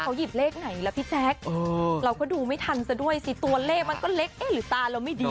เขาหยิบเลขไหนล่ะพี่แจ๊คเราก็ดูไม่ทันซะด้วยสิตัวเลขมันก็เล็กเอ๊ะหรือตาเราไม่ดี